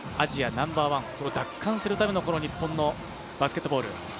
ナンバーワンを奪還するための日本のバスケットボール。